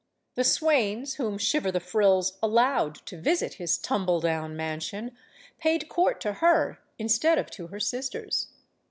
The swains whom Shiver the Frills allowed to visit his tumble down mansion paid court to her instead of to her sisters.